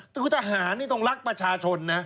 ท่านก็คือทหารต้องรักประชาชนนะ